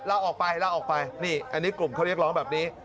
ลาออกไปลาออกไปนี่อันนี้กลุ่มเขาเรียกร้องแบบนี้